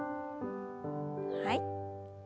はい。